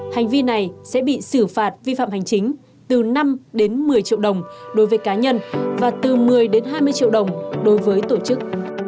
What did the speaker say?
hành vi này sẽ bị xử phạt vi phạm hành chính từ năm đến một mươi triệu đồng đối với cá nhân và từ một mươi đến hai mươi triệu đồng đối với tổ chức